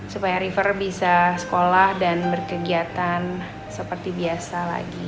supaya river bisa sekolah dan berkegiatan seperti biasa lagi